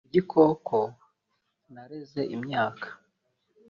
ni igikoko nareze imyaka